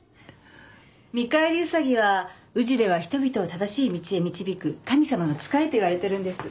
みかえり兎は宇治では人々を正しい道へ導く神様の使いといわれてるんです。